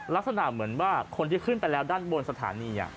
ลักษณะเหมือนว่าคนที่ขึ้นไปแล้วด้านบนสถานี